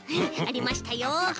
ありましたよ。